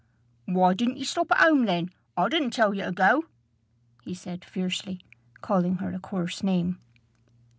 "Why didn't ye stop at home then? I didn't tell ye to go," he said fiercely, calling her a coarse name.